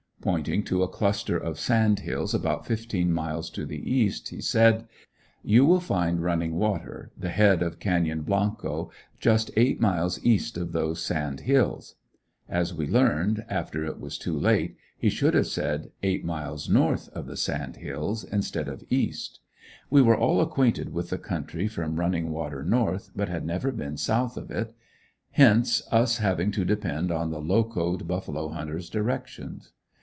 Pointing to a cluster of sand hills about fifteen miles to the east, he said: "You will find Running Water, the head of Canyon Blanco, just eight miles east of those sand hills." As we learned, after it was too late, he should have said; eight miles north of the sand hills, instead of east. We were all acquainted with the country from Running Water north, but had never been south of it; hence us having to depend on the "locoed" buffalo hunter's directions.